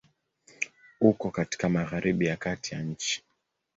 Uko katika Magharibi ya kati ya nchi.